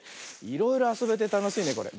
いろいろあそべてたのしいねこれ。